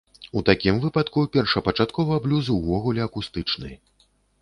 У такім выпадку першапачаткова, блюз увогуле акустычны!